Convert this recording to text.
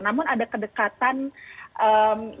namun ada kedekatan yang dirasa sangat aneh